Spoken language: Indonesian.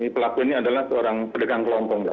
pelaku ini adalah seorang pendekas kelompong mbak